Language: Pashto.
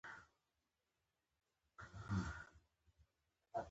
چې ډوب شوی سمندر کې